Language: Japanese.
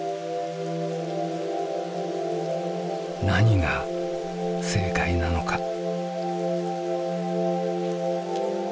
何が正解なのか。